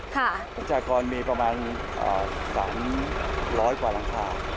ประชากรมีประมาณ๓๐๐กว่าหลังคา